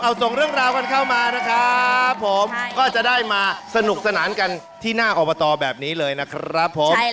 เอาส่งเรื่องราวกันเข้ามานะครับผมก็จะได้มาสนุกสนานกันที่หน้าอบตแบบนี้เลยนะครับผม